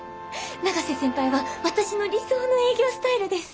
永瀬先輩は私の理想の営業スタイルです。